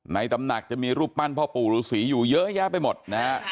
ตำหนักจะมีรูปปั้นพ่อปู่ฤษีอยู่เยอะแยะไปหมดนะฮะ